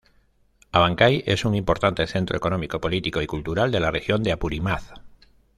Abancay es un importante centro económico, político y cultural de la región Apurímac.